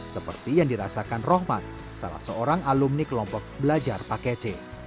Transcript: seperti yang dirasakan rohmat salah seorang alumni kelompok belajar paket c